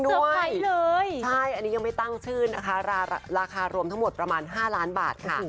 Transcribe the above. ทุกวันยังไม่ตั้งชื่นราคารวมทั้งหมดประมาณ๕ล้านบาท